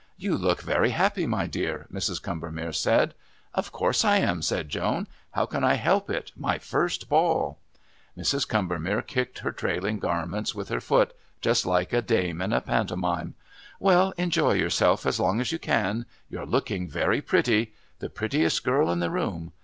"You look very happy, my dear," Mrs. Combermere said. "Of course I am," said Joan. "How can I help it, my first Ball?" Mrs. Combermere kicked her trailing garments with her foot, just like a dame in a pantomime. "Well, enjoy yourself as long as you can. You're looking very pretty. The prettiest girl in the room.